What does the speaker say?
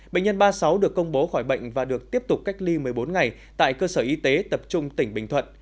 bệnh nhân ba mươi sáu được công bố khỏi bệnh và được tiếp tục cách ly một mươi bốn ngày tại cơ sở y tế tập trung tỉnh bình thuận